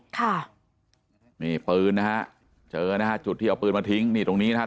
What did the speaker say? ค่ะนี่ปืนนะฮะเจอนะฮะจุดที่เอาปืนมาทิ้งนี่ตรงนี้นะครับ